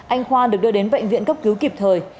anh khoa được đưa đến bệnh viện cấp cứu kịp thời